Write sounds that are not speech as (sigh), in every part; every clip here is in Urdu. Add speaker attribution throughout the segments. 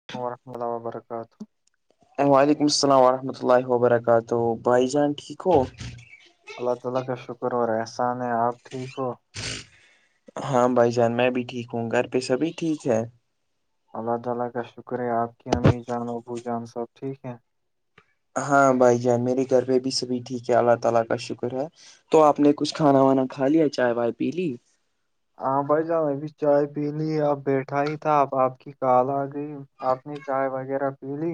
Speaker 1: (unintelligible)
Speaker 2: وعلیکم السلام ورحمۃ اللہ و برقات ہو بھائی جان ٹھیک ہو
Speaker 1: اللہ تعالی کا شکر اور احسان ہیں آپ ٹھیک ہو
Speaker 2: ہاں بھائی جان میں بھی ٹھیک ہوں گھر پہ سبھی ٹھیک ہے
Speaker 1: اللہ تعالی کا شکر ہے آپ کی امی جان ابو جان سب ٹھیک ہیں
Speaker 2: ہاں بھائی جان میرے گھر پہ بھی سبھی ٹھیک ہے اللہ تعالی کا شکر ہے تو آپ نے کچھ کھانا وانا کھا لیا چائے وائے پی لی
Speaker 1: ہاں بھائی جان ابھی چائے پی لی اب بیٹھا ہی تھا اب آپ کی کال آ گئی آپ نے چائے وغیرہ پی لی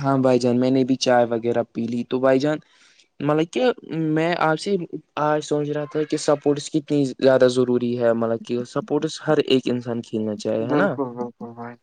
Speaker 2: ہاں بھائی جان میں نے بھی چائے وغیرہ پی لی تو بھائی جان مطلب کہ میں آپ سے آج سوچ رہا تھا کہ سپورٹس کتنی زیادہ ضروری ہے مطلب کہ سپورٹس ہر ایک انسان کی کلنا چاہے ہے نا
Speaker 1: بالکل بالکل بھائی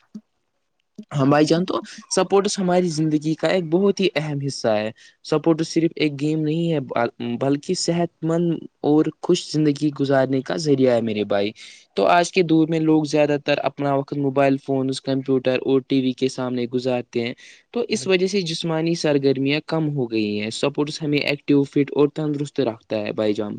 Speaker 2: ہاں بھائی جان تو سپورٹس ہماری زندگی کا ایک بہت ہی اہم حصہ ہے سپورٹ صرف ایک گیم نہیں ہے بلکہ صحت مند اور خوش زندگی گزارنے کا ذریعہ ہے میرے بھائی تو آج کے دور میں لوگ زیادہ تر اپنا وقت موبائل فونز کمپیوٹر اور ٹی وی کے سامنے گزارتے ہیں تو
Speaker 1: جان،
Speaker 2: اس
Speaker 1: بالکل
Speaker 2: وجہ سے جسمانی سرگرمیاں کم ہو گئی ہیں سپورٹس ہمیں ایکٹو فٹ اور تندرست رکھتا ہے بائی جام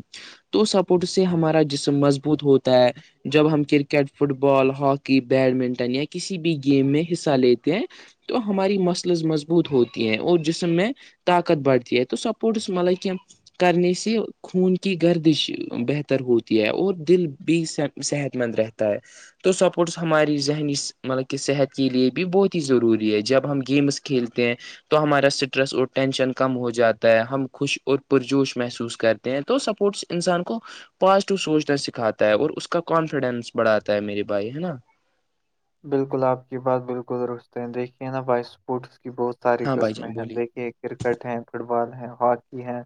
Speaker 2: تو سپورٹ سے ہمارا جسم مضبوط ہوتا ہے جب ہم cricket football hockey badminton یا کسی بھی گیم میں حصہ لیتے ہیں تو ہماری مسلز مضبوط ہوتی ہیں اور جسم میں طاقت بڑھتی ہے تو سپورٹس مطلب کہ کرنی سے خون کی گردش بہتر ہوتی ہے اور دل بھی صحت مند رہتا ہے تو سپورٹس ہماری ذہنی مطلب کہ صحت کے لیے بھی بہت ہی ضروری ہے جب ہم گیمس کھیلتے ہیں تو ہمارا سٹریس اور ٹینشن کم ہو جاتا ہے ہم خوش اور پرجوش محسوس کرتے ہیں تو سپورٹس انسان کو پازٹیو سوچنا سکھاتا ہے اور اس کا کانفیڈینس بڑھاتا ہے میرے بھائی ہے نا
Speaker 1: بالکل آپ کی بات بالکل درستتے ہے دیکھیے نا بائک سپورٹس کی بہت ساری
Speaker 2: ہاں بھائی
Speaker 1: قسمیں
Speaker 2: جان
Speaker 1: ہیں
Speaker 2: بولیے
Speaker 1: دیکھیے کرکٹ ہے فٹ بال ہے ہاکی ہے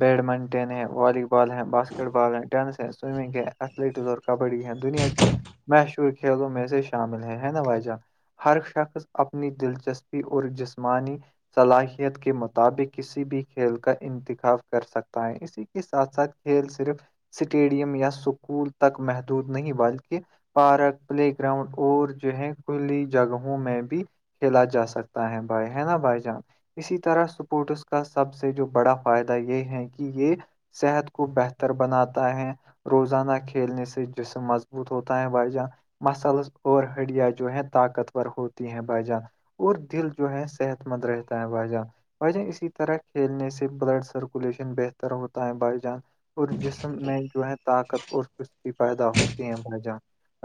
Speaker 1: بیڈمنٹن ہے والی بال ہے باسکٹ بال ہے ٹینس ہے سوئمنگ ہے ایتھلیٹ اور کبڈی ہے دنیا کی مشہور کھیلوں میں سے شامل ہے ہے نا بھائی جان ہر شخص اپنی دلچسپی اور جسمانی صلاحیت کے مطابق کسی بھی کھیل کا انتخاب کر سکتا ہے اسی ا کے ساتھ ساتھ کھیل صرف سٹیڈیم یا اسکول تک محدود نہیں بلکہ پارک پلے گراؤنڈ اور جو ہے کھلی جگہوں میں بھی کھیلا جا سکتا ہے بھائی ہے نا بھائی جان اسی طرح سپورٹس کا سب سے جو بڑا فائدہ یہ ہے کہ یہ صحت کو بہتر بناتا ہے روزانہ کھیلنے سے جسم مضبوط ہوتا ہے و جاں مثلز اور ہڑیا جو ہے طاقتور ہوتی ہیں بھائی جان اور دل جو ہے صحت مند رہتا ہے بھائی جان بھائی جان اسی طرح کھیلنے سے بلڈ سرکولیشن بہتر ہوتا ہے بھائی جان اور جسم میں جو ہے طاقت اور چستی پیدا ہوتی ہے مجہاں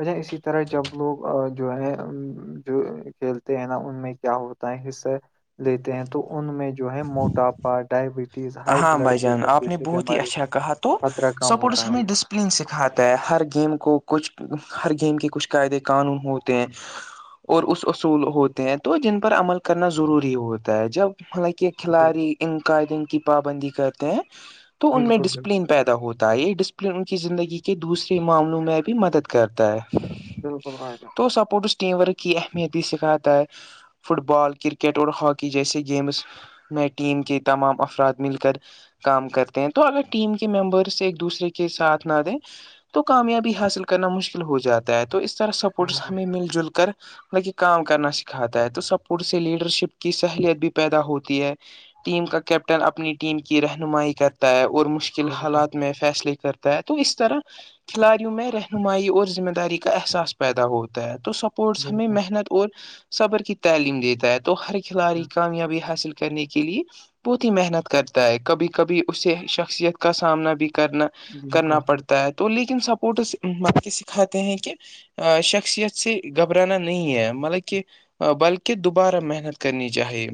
Speaker 1: ا اسی طرح جب لوگ جو ہے جو کھیلتے ہیں نا ان میں کیا ہوتا ہے حصہ لیتے ہیں تو ان میں جو ہے موٹاپا ڈائب
Speaker 2: ہاں بھائی جان آپ نے بہت ہی اچھا
Speaker 1: کا
Speaker 2: کہا تو
Speaker 1: خطرہ کم
Speaker 2: سپورٹس
Speaker 1: ہوتا ہے
Speaker 2: ہمیں ڈس
Speaker 1: بالکل
Speaker 2: سپلن سکھاتا ہے ہر گیم کو کچھ ہر گیم کے کچھ قاعدے قانون ہوتے ہیں اور اس اصول ہوتے ہیں تو جن پر عمل کرنا ضروری ہوتا ہے جب حالانکہ کھلاڑی
Speaker 1: بالکل
Speaker 2: ان قائدین کی پابندی کرتے ہیں تو ان میں
Speaker 1: بالکل
Speaker 2: ڈسپلین پیدا ہوتا ہے یہ ڈسپلن ان کی زندگی کے دوسرے معاملوں میں بھی مدد کرتا ہے
Speaker 1: بلکل بھائی جان
Speaker 2: سپورٹس ٹیم ورک کی اہمیت بھی سکھاتا ہے فٹ بال کرکٹ اور ہاکی جیسے گیمس میں ٹیم کے تمام افراد مل کر کام کرتے ہیں تو اگر ٹیم کے ممبرس ایک دوسرے کے ساتھ نہ دیں تو کامیابی حاصل کرنا مشکل ہو جاتا ہے تو اس طرح سپورٹس
Speaker 1: بالکل
Speaker 2: ہمیں مل جل کر کام کرنا سکھاتا ہے تو سپورٹ سے لیڈر شپ کی سہلیت بھی پیدا ہوتی ہے ٹیم کا کیپٹن اپنی ٹیم کی رہنمائی کرتا ہے اور مشکل
Speaker 1: بالکل
Speaker 2: حالات میں فیصلے کر تو اس طرح کھلاڑیوں میں رہنمائی اور ذمہ داری کا احساس پیدا ہوتا ہے تو سب اسپورٹس ہمیں
Speaker 1: بالکل
Speaker 2: محنت اور صبر کی تعلیم دیتا ہے تو ہر کھلاڑی کامیابی حاصل کرنے کے لیے بہت ہی محنت کرتا ہے کبھی کبھی اسے شخصیت کا سامنا بھی کرنا کرنا
Speaker 1: بالکل
Speaker 2: پڑتا ہے تو لیکن سپورٹ آپ کے سکھاتے ہیں کہ شخصیت سے گھبرانا نہیں ہے بلکہ بلکہ دوبارہ محنت کرنی چاہیے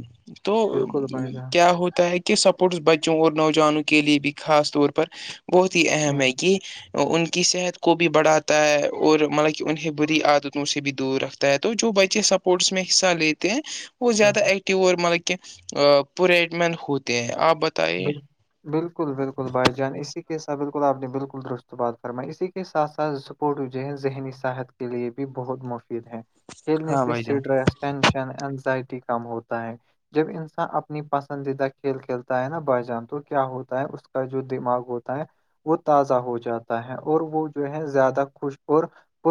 Speaker 2: تو
Speaker 1: بالکل بھائی جان
Speaker 2: کیا ہوتا ہے کہ یہ سپورٹس بچوں اور نوجوانوں کے لیے بھی خاص طور پر بہت ہی اہم ہے یہ ان کی صحت کو بھی بڑھاتا ہے اور مطلب کہ انہیں بری عادتوں سے بھی دور رکھتا ہے تو جو بچے سپورٹس میں حصہ لیتے ہیں وہ
Speaker 1: ایک-
Speaker 2: زیادہ ایکٹیو اور مطلب کہ پورٹ مین ہوتے ہیں آپ بتائیے
Speaker 1: بالکل بالکل بھائی جان اسی کے ساتھ بالکل آپ نے بالکل درست بات ک فرمائی ہے اسی کے ساتھ ساتھ سپورٹ جو ہے ذہنی صحت کے لیے بھی بہت مفید ہیں کھیلنے
Speaker 2: ہاں
Speaker 1: سے
Speaker 2: بھائی جان
Speaker 1: سڈ رسٹ ٹینشن انزائٹی کم ہوتا ہے جب انسان اپنی پسندیدہ کھیل کھیل تا ہے نا بھائی جان تو کیا ہوتا ہے اس کا جو دماغ ہوتا ہے وہ تازہ ہو جاتا ہے اور وہ جو ہے زیادہ خوش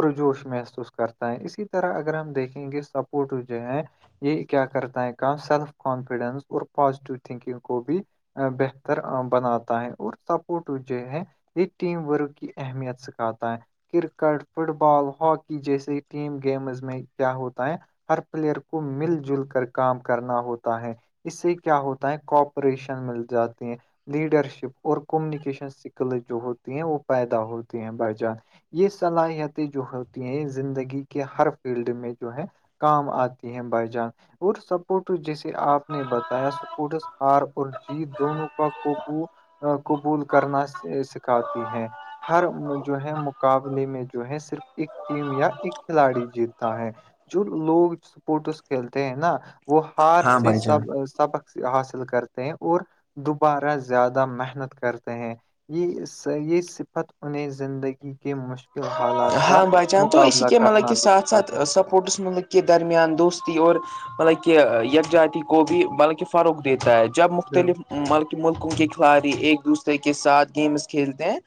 Speaker 1: اور جوش محسوس کرتا ہے اسی طرح اگر ہم دیکھیں گے سپورٹ جو ہے یہ کیا کرتا ہے کام سیلف کانفیڈینس اور پازیٹیو تھنکنگ کو بھی بہتر بناتا ہے اور سپورٹ جو ہے یہ ٹیم ورک کی اہمیت سکھاتا ہے کرکٹ فٹ بال ہاکی جیسے ٹیم گیمز میں کیا ہوتا ہے ہر پلیئر کو مل جل کر کام کرنا ہوتا ہے اس سے کیا ہوتا ہے کوپ پریشن مل جاتے ہیں لیڈرشپ اور کمیونکیشن اسکلز جو ہوتی ہیں وہ پیدا ہوتی ہیں بھائی جان یہ صلاحیتیں جو ہوتی ہیں زندگی کے ہر فیلڈ میں جو ہے کام آتی ہے بھائی جان اور سپورٹس جیسے آپ نے بتایا سپورٹس ہار اور جیت دونوں کا قبول قبول کرنا سکھاتی ہے ہر جو ہے مقابلے میں جو ہے صرف ایک ٹیم یا ایک کھلاڑی جیتا ہے جو لوگ سپورٹس کھیلتے ہیں نا وہ ہار
Speaker 2: ہاں
Speaker 1: سے
Speaker 2: بھائی جان
Speaker 1: سب سبق حاصل کرتے ہیں اور دوبارہ زیادہ محنت کرتے ہیں یہ صحیح صفت انہیں زندگی کے مشکل حالات کا
Speaker 2: ہاں بھائی جان تو اس
Speaker 1: مقابلہ
Speaker 2: کی مطلب
Speaker 1: کرنا
Speaker 2: کہ
Speaker 1: بھی
Speaker 2: ساتھ ساتھ
Speaker 1: سکھاتے ہیں
Speaker 2: سپوٹس مطلب کے درمیان دوستی اور مطلب کہ یکجاتی کو بھی مطلب کہ فروغ دیتا ہے جب مختلف
Speaker 1: بالکل
Speaker 2: ملکوں کے کھلاڑی ایک دوسرے کے ساتھ گیمس کھیلتے ہیں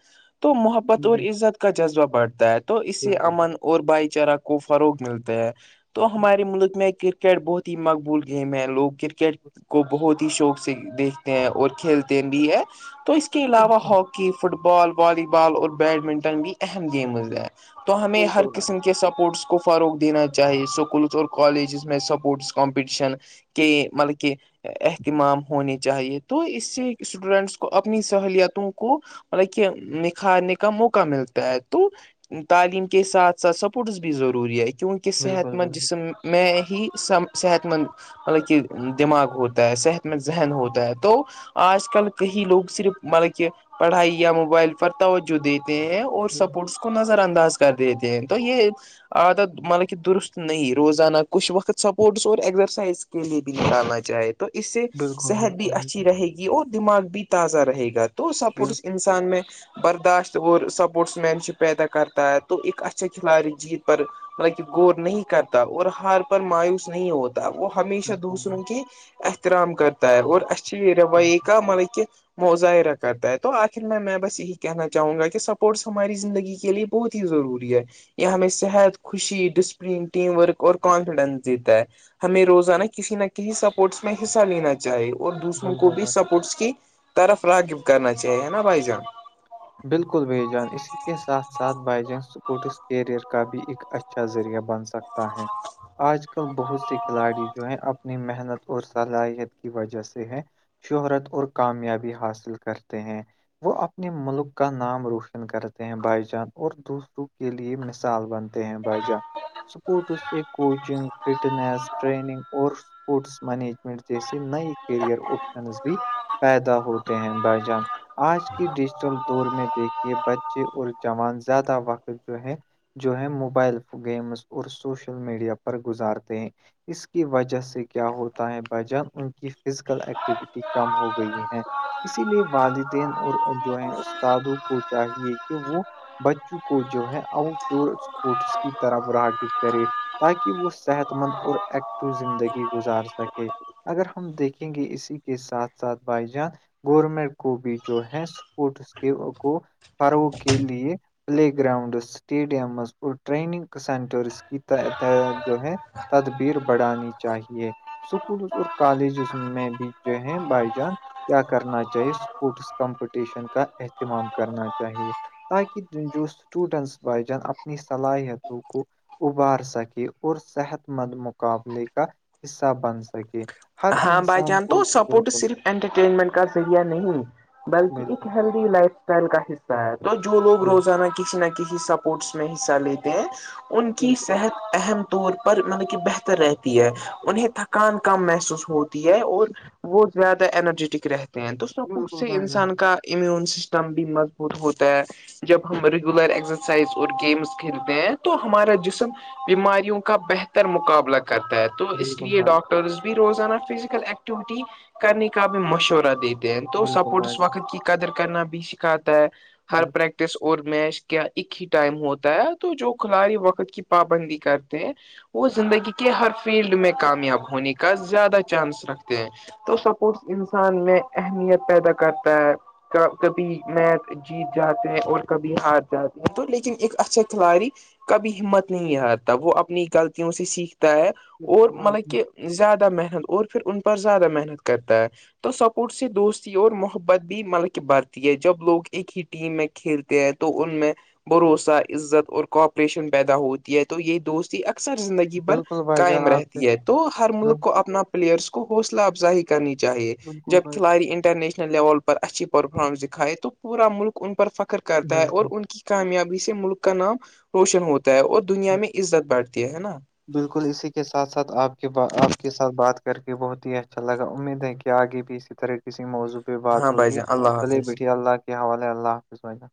Speaker 2: تو محبت بط اور
Speaker 1: بالکل
Speaker 2: عزت کا جذبہ بڑھتا ہے تو اسے امن
Speaker 1: بالکل
Speaker 2: اور بھائی چارہ کو فروغ ملتا ہے تو ہمارے ملک میں ایک کرکٹ بہت ہی مقبول گیم ہے لوگ کرکٹ کو بہت ہی شوق سے دیکھتے ہیں اور کھیلتے بھی ہے تو اس اس کے علاوہ
Speaker 1: بالکل
Speaker 2: hockey football volleyball اور بیڈمنٹن بھی اہم گیمز ہیں تو ہمیں ہر
Speaker 1: بالکل بھائی
Speaker 2: قسم کے کہ سپورٹس کو فروغ دینا چاہیے اسکولس اور کالجز میں سپورٹس کمپٹیشن کہ مطلب کی اہتمام ہونے چاہیے تو اس سے اسٹوڈینٹس کو اپنی سہلیتوں کو مطلب کہ نکھارنے کا موقع ملتا ہے تو تعلیم کے ساتھ ساتھ سپورٹس بھی ضروری ہے کیونکہ صحت
Speaker 1: بالکل
Speaker 2: مند
Speaker 1: بالکل
Speaker 2: جسم میں ہی سب صحت مند مطلب کہ دماغ ہوتا ہے صحت میں ذہن ہوتا ہے تو آج کل کہیں لوگ صرف مطلب کہ پڑھائی یا موبائل پر توجہ دیتے ہیں اور سپورٹس کو نظر انداز کر دیتے ہیں تو یہ عادت مطلب کہ درست نہیں روزانہ کچھ وقت سپورٹس اور ایزرسائز کے لیے بھی نکالنا چاہے تھ تو اس سے
Speaker 1: بالکل
Speaker 2: صحت بھی
Speaker 1: بالکل
Speaker 2: اچھی رہے گی اور دماغ بھی تازہ رہے گا تو
Speaker 1: بالکل
Speaker 2: سپورٹس ان ان میں برداشت وہ سپورٹس مین شپ پیدا کرتا ہے تو ایک اچھا کھلاڑی جیت پر مطلب کہ غور نہیں کرتا اور ہار پر مایوس نہیں ہوتا وہ ہمیشہ
Speaker 1: بالکل
Speaker 2: دوسروں
Speaker 1: بھائی
Speaker 2: کے احترام کرتا ہے اور اسے یہ رویے کا ملب کہ مظاہرہ کرتا ہے تو آخر میں میں بس یہی کہنا چاہوں گا کہ سپورٹس ہماری زندگی کے لیے بہت ہی ضروری ہے یہ ہمیں صحت خوشی ڈسپلین ٹیم ورک اور کانفیڈینس جیتا ہے ہمیں روزانہ کسی نہ کسی سپورٹس میں حصہ لینا چ چاہی اور دوسروں
Speaker 1: بالکل
Speaker 2: کو بھی
Speaker 1: بھائی
Speaker 2: سپورٹس کی طرف را کرنا چاہیے ہے نا بھائی جان
Speaker 1: بالکل و جان اسی کے ساتھ ساتھ با جان سپوٹس کیریئر کا بھی ایک اچھا ذریعہ بن سکتا ہے آج کل بہت سے کھلاڑی جو ہیں اپنی محنت اور صلاحیت کی وجہ سے ہے شہرت اور کامیابی حاصل کرتے ہیں وہ اپنے ملک کا نام روشن کرتے ہیں بھائی جان اور دوسروں کے لیے مثال بن بائی جان سپورٹس سے کوچنگ فٹنیس ٹریننگ اور اسپورٹس مینجمنٹ جیسے نئی کیریئر آپشن بھی پیدا ہوتے ہیں بائجان آج کی ڈیجیٹل دور میں دیکھیے بچے اور جوان زیادہ وقت جو ہے جو ہے موبائل گیمس اور سوشل میڈیا پر گزارتے ہیں اس کی وجہ سے کیا ہوتا ہے بائی جان ان کی فزیکل ایکٹیویٹی کم ہو گئی ہے اسی لیے والدین اور جو ہے استادوں کو چاہیے کہ وہ بچوں کو جو ہے آؤٹ ڈور اسپورٹس کی طرف را کے کرے تاکہ وہ صحت مند اور ایکٹو زندگی گزار سکے اگر ہم دیکھیں گے اسی کے ساتھ ساتھ بھائی جان گورنمنٹ کو بھی جو ہے سپورٹس کے کو فروغ کے لیے پلے گراؤنڈ اسٹیڈیمز اور ٹریننگ سینٹرس کی جو ہے تدبیر بڑھانی چاہیے اسکول اور کالجز میں بھی جو ہے بائی جان کیا کرنا چاہیے اسپورٹس کمپٹیشن کا اہتمام کرنا چاہیے تاکہ جو اسٹوڈینٹس بائی جان اپنی صلاحیتوں کو ابار سکے اور صحت مند مقابلے کا حصہ بن سکے ہر
Speaker 2: ہاں بھائی
Speaker 1: انسان
Speaker 2: جان
Speaker 1: کو
Speaker 2: تو
Speaker 1: بالکل
Speaker 2: سپورٹ
Speaker 1: بالکل
Speaker 2: صرف انٹرٹینمنٹ کا ذریعہ نہیں بلکہ ایک
Speaker 1: بالکل
Speaker 2: ہی لائف اسٹائل کا حصہ ہے تو جو لوگ روزانہ کے کسی نہ کسی سپورٹس میں حصہ لیتے ہیں ان کی
Speaker 1: بالکل بھائی
Speaker 2: صحت اہم طور پر مطلب کہ بہتر رہتی ہے انہیں تھکان کم محسوس ہوتی ہے اور وہ زیادہ انرجیٹک رہتے ہیں تو سب
Speaker 1: بالکل
Speaker 2: سے
Speaker 1: بھائی
Speaker 2: انسان
Speaker 1: جان
Speaker 2: کا امیون سسٹم بھی مضبوط ہوتا ہے جب ہم ریگولر ایکسرسائز اور گیمس کھیلتے ہیں تو ہمارا جسم بیماریوں کا بہتر مقابلہ کرتا ہے تو اس
Speaker 1: بالکل
Speaker 2: لیے
Speaker 1: بھائی
Speaker 2: ڈاکٹرز بھی روزانہ فزیکل ایکٹیوٹی کرنے کا بھی مشورہ دیتے تو
Speaker 1: بالکل بھائی
Speaker 2: سپورٹس
Speaker 1: جان
Speaker 2: وقت کی قدر کرنا بھی سکھاتا ہے ہر
Speaker 1: بالکل
Speaker 2: پریکٹس اور میش کیا ایک ہی ٹائم ہوتا ہے تو جو کھلااری وقت کی پابندی کرتے ہیں وہ زندگی کے ہر فیلڈ میں کامیاب ہونے کا زیادہ چانس رکھتے ہیں تو سپورس انسان میں اہمیت پیدا کرتا ہے کبھی میچ جیت جاتے ہیں اور کبھی ہار جاتے ہیں تو لیکن ایک اچھا کھلاڑی کبھی ہمت نہیں آتا وہ اپنی غلطوں سے سیکھتا ہے اور
Speaker 1: بالکل آپ
Speaker 2: مطلب کہ
Speaker 1: نے-
Speaker 2: زیادہ محنت اور پھر ان پر زیادہ محنت کرتا ہے تو سپورٹ سے دوستی اور محبت بھی مطلب کہ برتی ہے جب لوگ ایک ہیٹ ٹیم میں کھیلتے ہیں تو ان میں بھروسہ عزت اور کوپریشن پیدا ہوتی ہے تو یہ دوستی اکثر زندگی بھر
Speaker 1: بالکل بھائی جان
Speaker 2: قائم
Speaker 1: آپ سے
Speaker 2: رہتی ہے تو ہر ملک
Speaker 1: بال-
Speaker 2: کو اپنا ئرس کو حوصلہ افزائی کرنی چاہیے
Speaker 1: بالکل
Speaker 2: جب
Speaker 1: بھائی جان
Speaker 2: کھلاڑی انٹرنیشنل لیول پر اچھی پرفارمنس دکھائے تو پورا ملک ان پر فخر کرتا ہے اور
Speaker 1: بالکل
Speaker 2: ان کی کامیابی سے ملک کا نام روشن ہوتا ہے اور دنیا میں عزت بھتی ہے نا
Speaker 1: بالکل اسی کے ساتھ ساتھ آپ کے آپ کے ساتھ بات کر کے بہت ہی اچھا لگا امید ہے کہ آگے بھی اس طرح کسی موضوع پہ بات
Speaker 2: ہاں بھائی
Speaker 1: ہوگی
Speaker 2: جان اللہ
Speaker 1: چلیے
Speaker 2: حافظ
Speaker 1: بیٹھیے اللہ کے حوالے اللہ حافظا